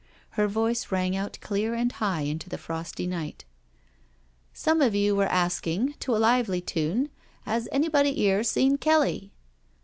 Her voice rang out clear and high into the frosty night: " Some of you were asking, to a lively tune, ' Has anybody here seen Kelly?